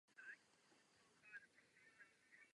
Sepsal teologický traktát "O milosti a svobodném rozhodování".